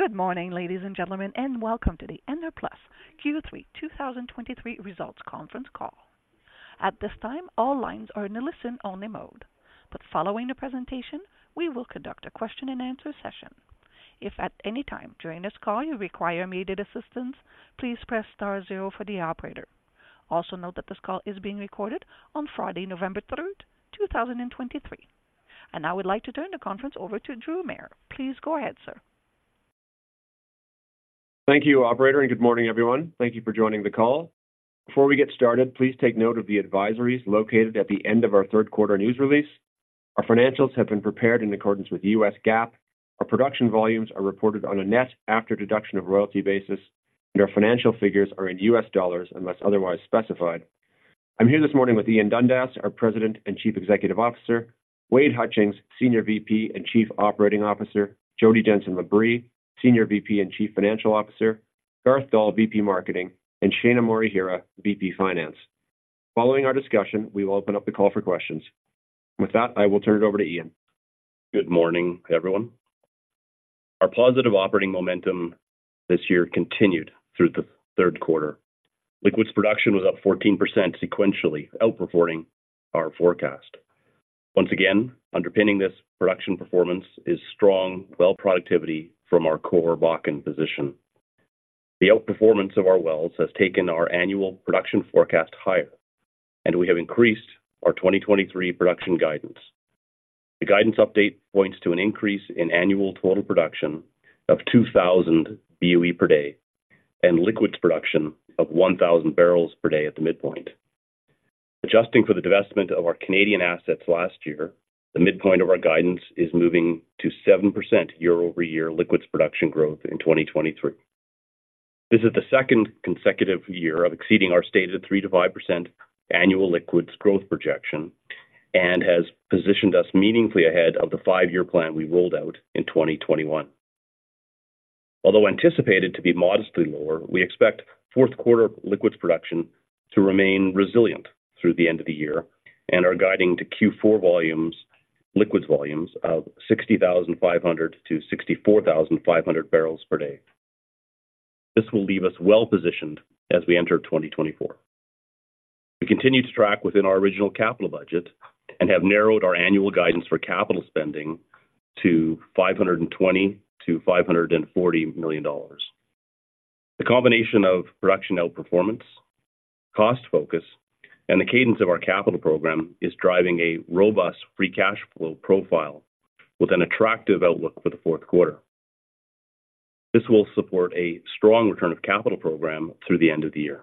Good morning, ladies and gentlemen, and welcome to the Enerplus Q3 2023 Results Conference Call. At this time, all lines are in a listen-only mode, but following the presentation, we will conduct a question-and-answer session. If at any time during this call you require immediate assistance, please press star zero for the operator. Also note that this call is being recorded on Friday, November 3rd, 2023. Now I would like to turn the conference over to Drew Mair. Please go ahead, sir. Thank you, operator, and good morning, everyone. Thank you for joining the call. Before we get started, please take note of the advisories located at the end of our third quarter news release. Our financials have been prepared in accordance with U.S. GAAP. Our production volumes are reported on a net after deduction of royalty basis, and our financial figures are in U.S. dollars, unless otherwise specified. I'm here this morning with Ian Dundas, our President and Chief Executive Officer, Wade Hutchings, Senior VP and Chief Operating Officer, Jodi Jenson Labrie, Senior VP and Chief Financial Officer, Garth Doll, VP Marketing, and Shaina Morihira, VP Finance. Following our discussion, we will open up the call for questions. With that, I will turn it over to Ian. Good morning, everyone. Our positive operating momentum this year continued through the third quarter. Liquids production was up 14% sequentially, outperforming our forecast. Once again, underpinning this production performance is strong well productivity from our core Bakken position. The outperformance of our wells has taken our annual production forecast higher, and we have increased our 2023 production guidance. The guidance update points to an increase in annual total production of 2,000 BOE per day and liquids production of 1,000 bbl per day at the midpoint. Adjusting for the divestment of our Canadian assets last year, the midpoint of our guidance is moving to 7% year-over-year liquids production growth in 2023. This is the second consecutive year of exceeding our stated 3%-5% annual liquids growth projection and has positioned us meaningfully ahead of the five-year plan we rolled out in 2021. Although anticipated to be modestly lower, we expect fourth quarter liquids production to remain resilient through the end of the year and are guiding to Q4 volumes, liquids volumes of 60,500 bbl-64,500 bbl per day. This will leave us well-positioned as we enter 2024. We continue to track within our original capital budget and have narrowed our annual guidance for capital spending to $520 million-$540 million. The combination of production outperformance, cost focus, and the cadence of our capital program is driving a robust free cash flow profile with an attractive outlook for the fourth quarter. This will support a strong return of capital program through the end of the year.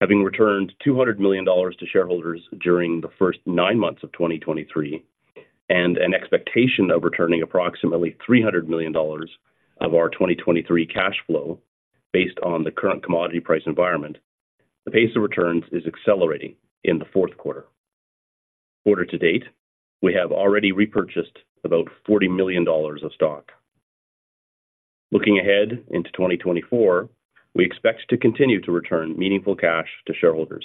Having returned $200 million to shareholders during the first nine months of 2023, and an expectation of returning approximately $300 million of our 2023 cash flow based on the current commodity price environment, the pace of returns is accelerating in the fourth quarter. Quarter to date, we have already repurchased about $40 million of stock. Looking ahead into 2024, we expect to continue to return meaningful cash to shareholders.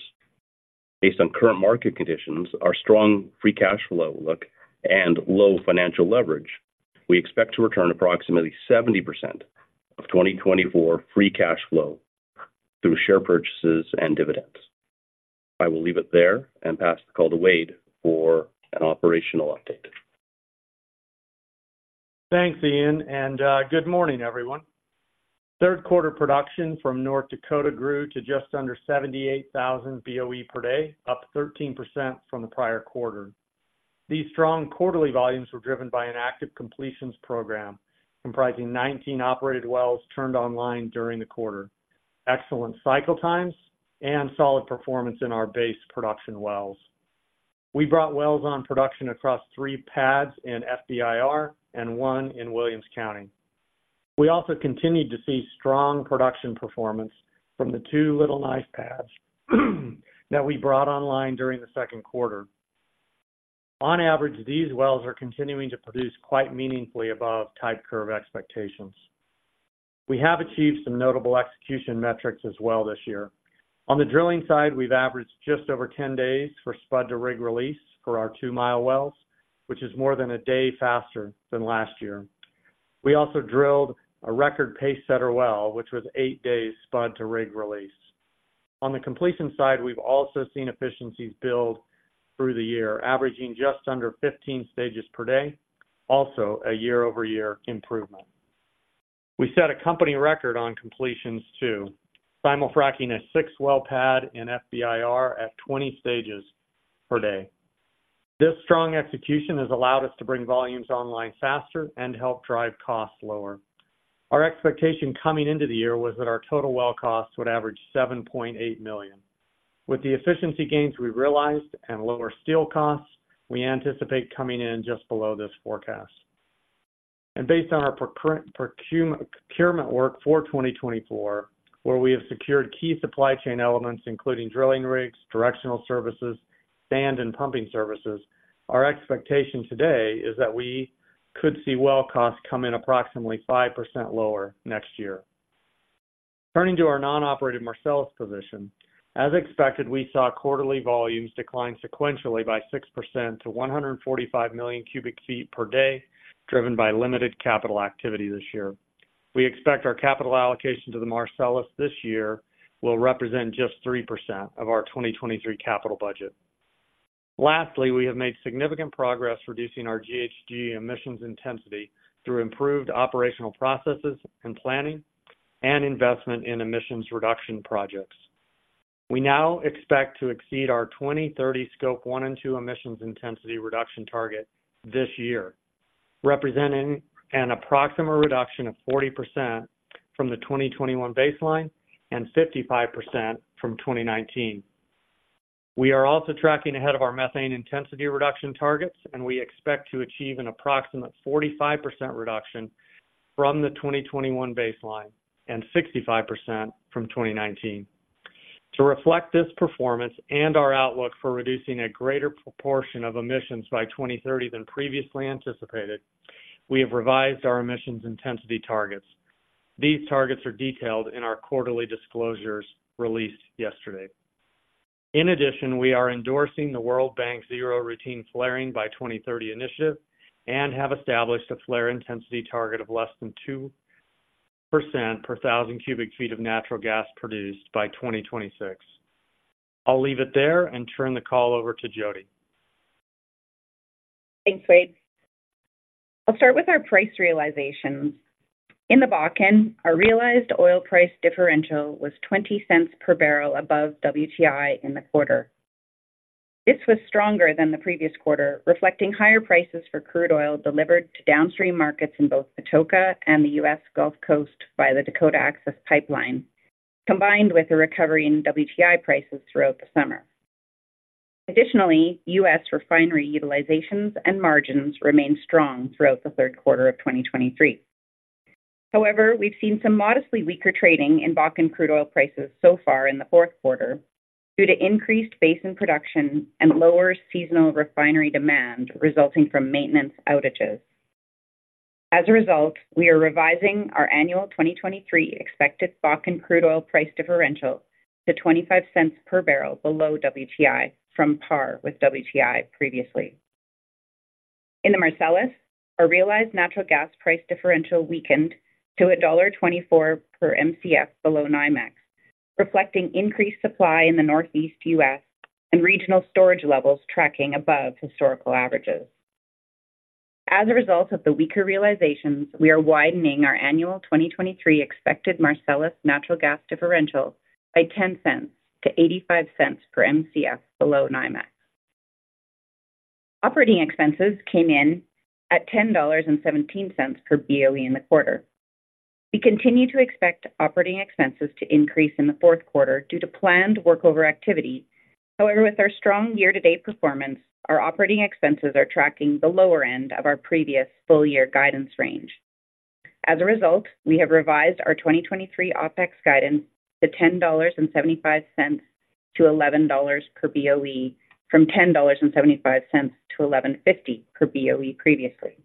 Based on current market conditions, our strong free cash flow outlook and low financial leverage, we expect to return approximately 70% of 2024 free cash flow through share purchases and dividends. I will leave it there and pass the call to Wade for an operational update. Thanks, Ian, and good morning, everyone. Third quarter production from North Dakota grew to just under 78,000 BOE per day, up 13% from the prior quarter. These strong quarterly volumes were driven by an active completions program, comprising 19 operated wells turned online during the quarter, excellent cycle times, and solid performance in our base production wells. We brought wells on production across three pads in FBIR and one in Williams County. We also continued to see strong production performance from the two Little Knife pads that we brought online during the second quarter. On average, these wells are continuing to produce quite meaningfully above type curve expectations. We have achieved some notable execution metrics as well this year. On the drilling side, we've averaged just over 10 days for spud to rig release for our 2-mi wells, which is more than a day faster than last year. We also drilled a record pacesetter well, which was eight days spud to rig release. On the completion side, we've also seen efficiencies build through the year, averaging just under 15 stages per day, also a year-over-year improvement. We set a company record on completions too, simulfracking a six-well pad in FBIR at 20 stages per day. This strong execution has allowed us to bring volumes online faster and help drive costs lower. Our expectation coming into the year was that our total well costs would average $7.8 million. With the efficiency gains we realized and lower steel costs, we anticipate coming in just below this forecast. Based on our procurement work for 2024, where we have secured key supply chain elements, including drilling rigs, directional services, sand, and pumping services, our expectation today is that we could see well costs come in approximately 5% lower next year. Turning to our non-operated Marcellus position. As expected, we saw quarterly volumes decline sequentially by 6% to 145 million cu ft per day, driven by limited capital activity this year. We expect our capital allocation to the Marcellus this year will represent just 3% of our 2023 capital budget. Lastly, we have made significant progress reducing our GHG emissions intensity through improved operational processes and planning and investment in emissions reduction projects. We now expect to exceed our 2030 Scope 1 and 2 emissions intensity reduction target this year, representing an approximate reduction of 40% from the 2021 baseline and 55% from 2019. We are also tracking ahead of our methane intensity reduction targets, and we expect to achieve an approximate 45% reduction from the 2021 baseline and 65% from 2019. To reflect this performance and our outlook for reducing a greater proportion of emissions by 2030 than previously anticipated, we have revised our emissions intensity targets. These targets are detailed in our quarterly disclosures released yesterday. In addition, we are endorsing the World Bank Zero Routine Flaring by 2030 initiative and have established a flare intensity target of less than 2% per 1,000 cu ft of natural gas produced by 2026. I'll leave it there and turn the call over to Jodi. Thanks, Wade. I'll start with our price realizations. In the Bakken, our realized oil price differential was $0.20 per bbl above WTI in the quarter. This was stronger than the previous quarter, reflecting higher prices for crude oil delivered to downstream markets in both Patoka and the U.S. Gulf Coast by the Dakota Access Pipeline, combined with a recovery in WTI prices throughout the summer. Additionally, U.S. refinery utilizations and margins remained strong throughout the third quarter of 2023. However, we've seen some modestly weaker trading in Bakken crude oil prices so far in the fourth quarter, due to increased basin production and lower seasonal refinery demand resulting from maintenance outages. As a result, we are revising our annual 2023 expected Bakken crude oil price differential to $0.25 per bbl below WTI, from par with WTI previously. In the Marcellus, our realized natural gas price differential weakened to $1.24 per Mcf below NYMEX, reflecting increased supply in the Northeast U.S. and regional storage levels tracking above historical averages. As a result of the weaker realizations, we are widening our annual 2023 expected Marcellus natural gas differential by $0.10 to $0.85 per Mcf below NYMEX. Operating expenses came in at $10.17 per BOE in the quarter. We continue to expect operating expenses to increase in the fourth quarter due to planned workover activity. However, with our strong year-to-date performance, our operating expenses are tracking the lower end of our previous full year guidance range. As a result, we have revised our 2023 OpEx guidance to $10.75-$11 per BOE, from $10.75-$11.50 per BOE previously.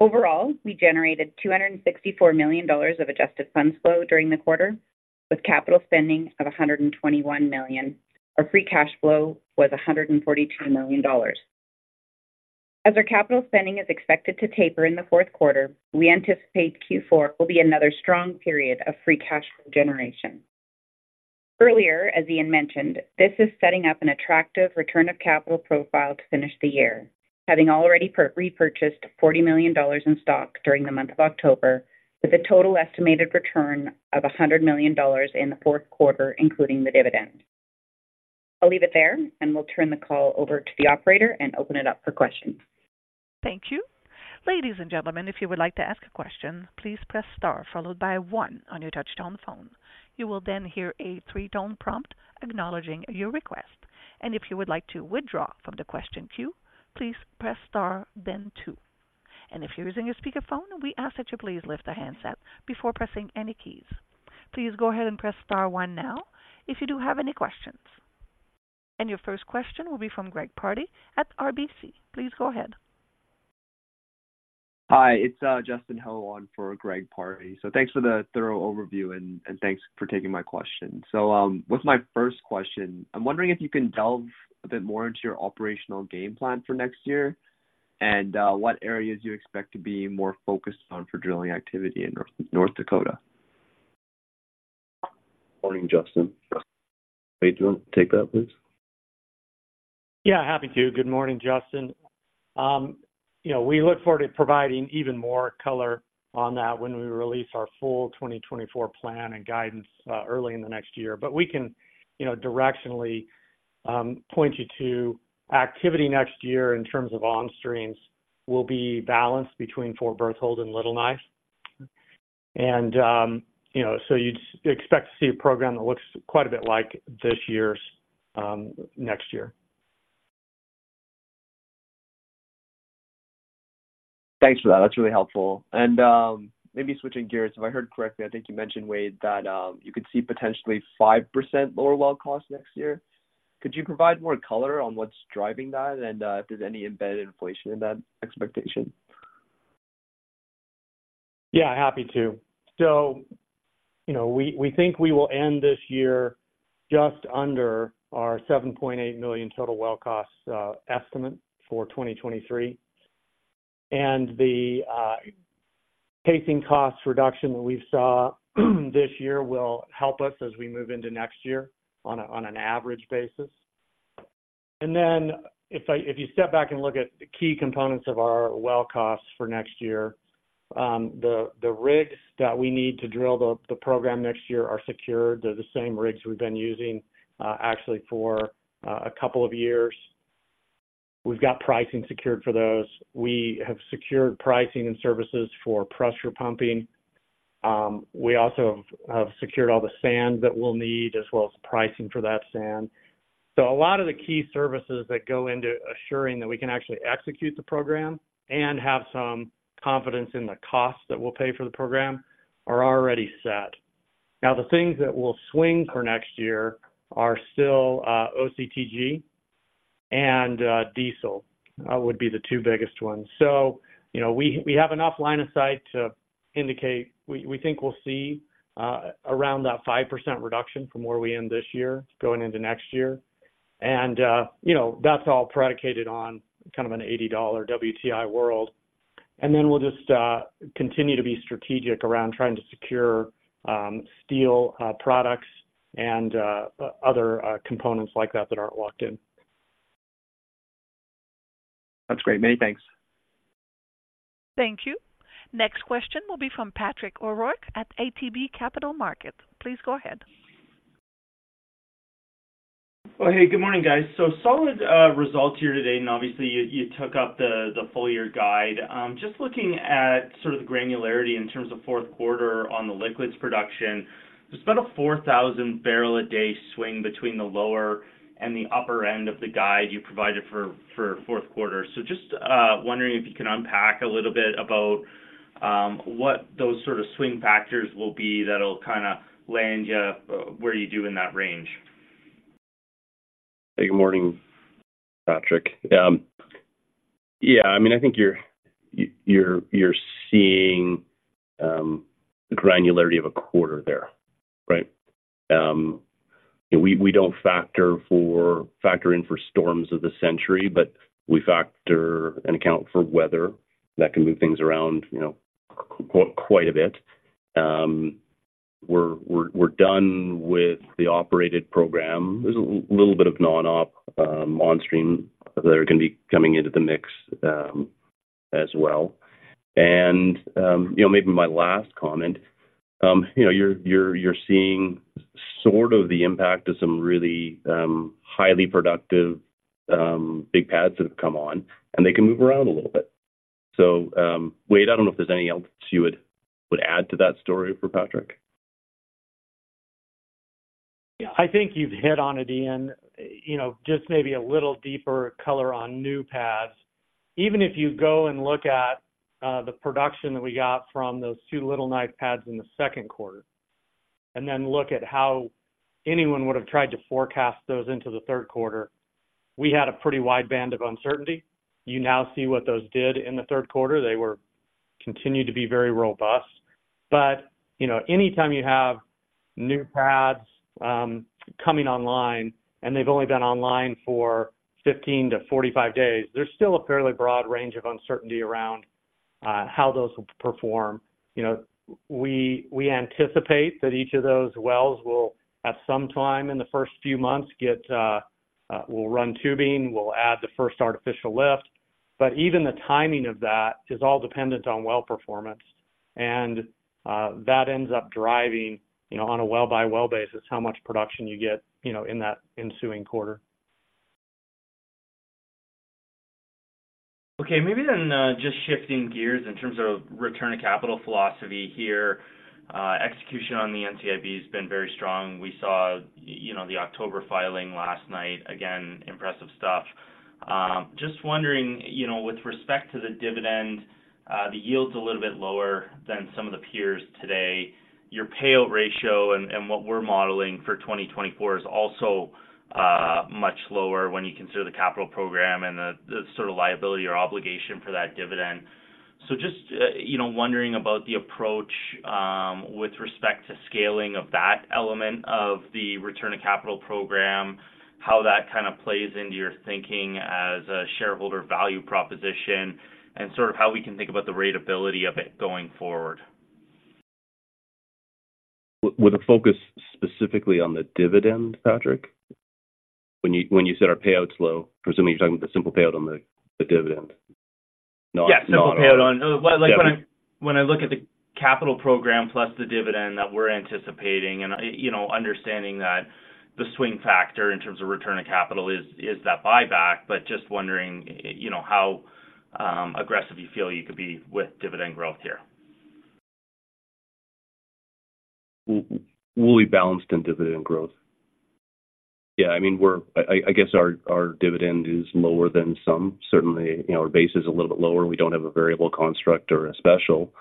Overall, we generated $264 million of adjusted funds flow during the quarter, with capital spending of $121 million. Our free cash flow was $142 million. As our capital spending is expected to taper in the fourth quarter, we anticipate Q4 will be another strong period of free cash flow generation. Earlier, as Ian mentioned, this is setting up an attractive return of capital profile to finish the year, having already repurchased $40 million in stock during the month of October, with a total estimated return of $100 million in the fourth quarter, including the dividend. I'll leave it there, and we'll turn the call over to the operator and open it up for questions. Thank you. Ladies and gentlemen, if you would like to ask a question, please press star followed by one on your touchtone phone. You will then hear a three-tone prompt acknowledging your request. If you would like to withdraw from the question queue, please press star, then two. If you're using a speakerphone, we ask that you please lift the handset before pressing any keys. Please go ahead and press star one now if you do have any questions. Your first question will be from Greg Pardy at RBC. Please go ahead. Hi, it's Justin Ho on for Greg Pardy. So thanks for the thorough overview, and, and thanks for taking my question. So, with my first question, I'm wondering if you can delve a bit more into your operational game plan for next year and, what areas you expect to be more focused on for drilling activity in North Dakota? Morning, Justin. Wade, do you want to take that, please? Yeah, happy to. Good morning, Justin. You know, we look forward to providing even more color on that when we release our full 2024 plan and guidance, early in the next year. But we can, you know, directionally, point you to activity next year in terms of on streams will be balanced between Fort Berthold and Little Knife. And, you know, so you'd expect to see a program that looks quite a bit like this year's, next year. Thanks for that. That's really helpful. And, maybe switching gears, if I heard correctly, I think you mentioned, Wade, that you could see potentially 5% lower well costs next year? Could you provide more color on what's driving that and, if there's any embedded inflation in that expectation? Yeah, happy to. So, you know, we think we will end this year just under our $7.8 million total well costs estimate for 2023. And the pacing cost reduction that we saw this year will help us as we move into next year on an average basis. And then if you step back and look at the key components of our well costs for next year, the rigs that we need to drill the program next year are secured. They're the same rigs we've been using, actually for a couple of years. We've got pricing secured for those. We have secured pricing and services for pressure pumping. We also have secured all the sand that we'll need, as well as pricing for that sand. So a lot of the key services that go into assuring that we can actually execute the program and have some confidence in the costs that we'll pay for the program, are already set. Now, the things that will swing for next year are still, OCTG and, diesel, would be the two biggest ones. So, you know, we have enough line of sight to indicate we think we'll see, around that 5% reduction from where we end this year, going into next year. And, you know, that's all predicated on kind of an $80 WTI world. And then we'll just, continue to be strategic around trying to secure, steel, products and, other, components like that, that aren't locked in. That's great. Many thanks. Thank you. Next question will be from Patrick O'Rourke at ATB Capital Markets. Please go ahead. Well, hey, good morning, guys. So solid, results here today, and obviously, you, you took up the, the full year guide. Just looking at sort of the granularity in terms of fourth quarter on the liquids production, there's about a 4,000 bbl a day swing between the lower and the upper end of the guide you provided for, for fourth quarter. So just, wondering if you can unpack a little bit about, what those sort of swing factors will be that'll kind of land you, where you do in that range. Hey, good morning, Patrick. Yeah, I mean, I think you're seeing the granularity of a quarter there, right? We don't factor in for storms of the century, but we factor and account for weather that can move things around, you know, quite a bit. We're done with the operated program. There's a little bit of non-op on stream that are gonna be coming into the mix, as well. And, you know, maybe my last comment, you know, you're seeing sort of the impact of some really highly productive big pads that have come on, and they can move around a little bit. So, Wade, I don't know if there's anything else you would add to that story for Patrick. Yeah, I think you've hit on it, Ian. You know, just maybe a little deeper color on new pads. Even if you go and look at the production that we got from those two Little Knife pads in the second quarter, and then look at how anyone would have tried to forecast those into the third quarter, we had a pretty wide band of uncertainty. You now see what those did in the third quarter. They continued to be very robust. But, you know, anytime you have new pads coming online and they've only been online for 15-45 days, there's still a fairly broad range of uncertainty around how those will perform. You know, we anticipate that each of those wells will, at some time in the first few months, get, we'll run tubing, we'll add the first artificial lift. But even the timing of that is all dependent on well performance, and that ends up driving, you know, on a well-by-well basis, how much production you get, you know, in that ensuing quarter. Okay, maybe then, just shifting gears in terms of return on capital philosophy here. Execution on the NCIB has been very strong. We saw, you know, the October filing last night. Again, impressive stuff. Just wondering, you know, with respect to the dividend, the yield's a little bit lower than some of the peers today. Your payout ratio and, and what we're modeling for 2024 is also, much lower when you consider the capital program and the, the sort of liability or obligation for that dividend. So just, you know, wondering about the approach, with respect to scaling of that element of the return on capital program, how that kind of plays into your thinking as a shareholder value proposition, and sort of how we can think about the ratability of it going forward. With a focus specifically on the dividend, Patrick? When you said our payout's low, presumably you're talking about the simple payout on the dividend, not- Yeah, simple payout on... Well, like when I- Yeah. When I look at the capital program plus the dividend that we're anticipating, and, you know, understanding that the swing factor in terms of return on capital is that buyback, but just wondering, you know, how aggressive you feel you could be with dividend growth here? We'll be balanced in dividend growth. Yeah, I mean, we're. I guess our dividend is lower than some. Certainly, you know, our base is a little bit lower. We don't have a variable construct or a special.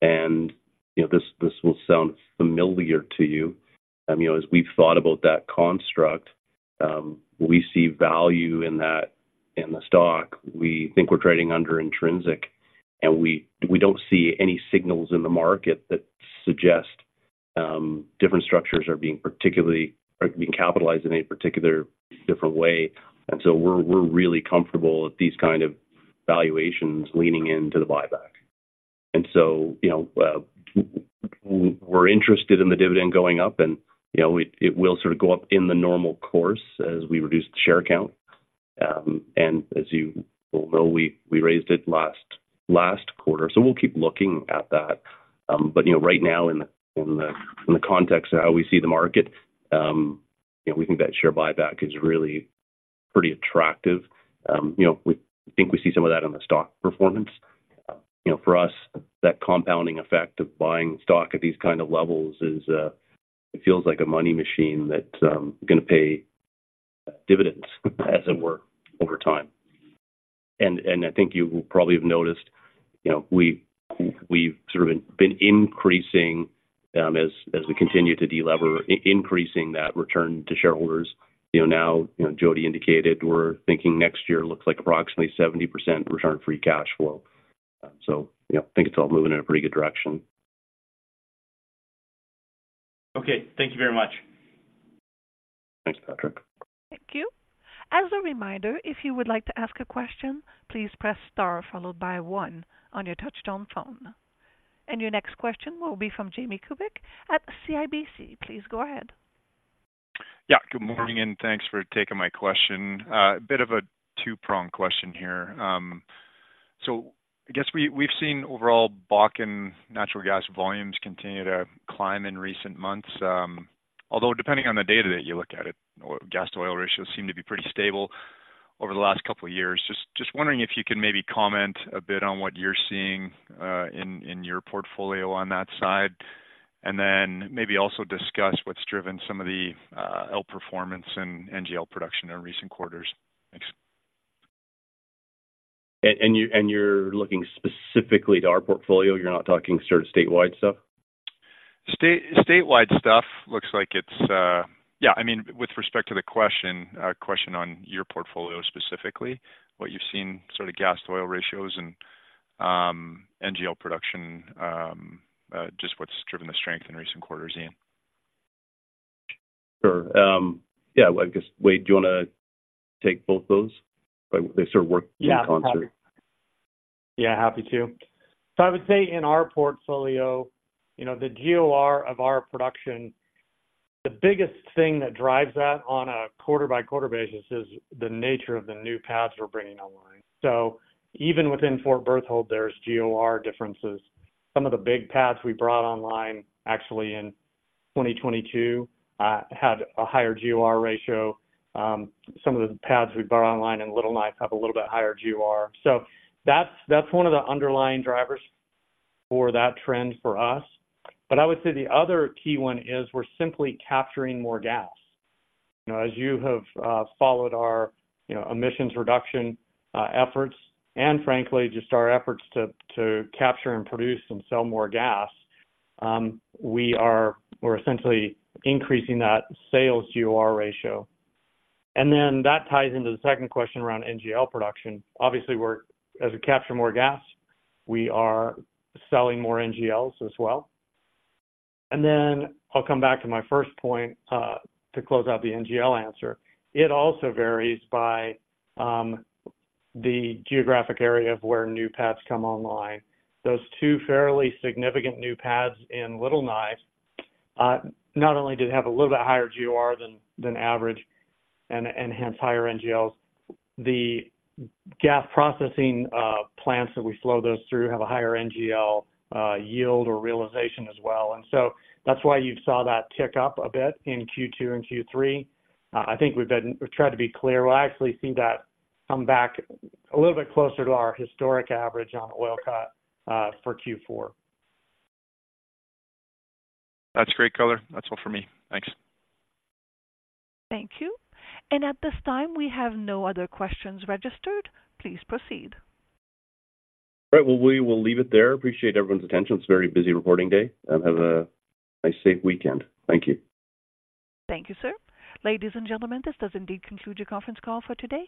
And, you know, this will sound familiar to you. You know, as we've thought about that construct, we see value in that in the stock. We think we're trading under intrinsic, and we don't see any signals in the market that suggest different structures are being particularly capitalized in a particular different way. And so we're really comfortable with these kind of valuations leaning into the buyback. And so, you know, we're interested in the dividend going up and, you know, it will sort of go up in the normal course as we reduce the share count. And as you well know, we raised it last quarter, so we'll keep looking at that. But, you know, right now, in the context of how we see the market, you know, we think that share buyback is really pretty attractive. You know, we think we see some of that in the stock performance. You know, for us, that compounding effect of buying stock at these kind of levels is, it feels like a money machine that gonna pay dividends, as it were, over time. And I think you probably have noticed, you know, we've sort of been increasing, as we continue to delever, increasing that return to shareholders. You know, now, you know, Jodi indicated we're thinking next year looks like approximately 70% return free cash flow. Yeah, I think it's all moving in a pretty good direction. Okay, thank you very much. Thanks, Patrick. Thank you. As a reminder, if you would like to ask a question, please press star followed by one on your touch-tone phone. Your next question will be from Jamie Kubik at CIBC. Please go ahead. Yeah, good morning, and thanks for taking my question. A bit of a two-pronged question here. So I guess we've seen overall Bakken natural gas volumes continue to climb in recent months, although depending on the data that you look at, gas to oil ratios seem to be pretty stable over the last couple of years. Just wondering if you can maybe comment a bit on what you're seeing in your portfolio on that side, and then maybe also discuss what's driven some of the outperformance in NGL production in recent quarters. Thanks. And you're looking specifically to our portfolio. You're not talking sort of statewide stuff? Statewide stuff looks like it's... Yeah, I mean, with respect to the question, question on your portfolio, specifically, what you've seen sort of gas to oil ratios and, NGL production, just what's driven the strength in recent quarters, Ian. Sure. Yeah, I guess, Wade, do you want to take both those? They sort of work in concert. Yeah, happy to. So I would say in our portfolio, you know, the GOR of our production, the biggest thing that drives that on a quarter-by-quarter basis is the nature of the new pads we're bringing online. So even within Fort Berthold, there's GOR differences. Some of the big pads we brought online, actually in 2022, had a higher GOR ratio. Some of the pads we brought online in Little Knife have a little bit higher GOR. So that's, that's one of the underlying drivers for that trend for us. But I would say the other key one is we're simply capturing more gas. You know, as you have followed our, you know, emissions reduction efforts, and frankly, just our efforts to capture and produce and sell more gas, we're essentially increasing that sales GOR ratio. And then that ties into the second question around NGL production. Obviously, we're as we capture more gas, we are selling more NGLs as well. And then I'll come back to my first point to close out the NGL answer. It also varies by the geographic area of where new pads come online. Those two fairly significant new pads in Little Knife not only did they have a little bit higher GOR than average and hence higher NGLs, the gas processing plants that we flow those through have a higher NGL yield or realization as well. And so that's why you saw that tick up a bit in Q2 and Q3. I think we've tried to be clear. We'll actually see that come back a little bit closer to our historic average on oil cut for Q4. That's great color. That's all for me. Thanks. Thank you. At this time, we have no other questions registered. Please proceed. All right. Well, we will leave it there. Appreciate everyone's attention. It's a very busy reporting day. Have a nice, safe weekend. Thank you. Thank you, sir. Ladies and gentlemen, this does indeed conclude your conference call for today.